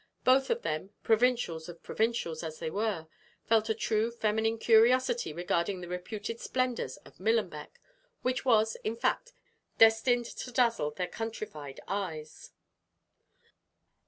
Both of them, provincials of provincials, as they were, felt a true feminine curiosity regarding the reputed splendors of Millenbeck, which was, in fact, destined to dazzle their countryfied eyes.